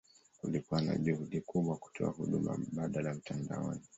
Kulikuwa na juhudi kubwa kutoa huduma mbadala mtandaoni.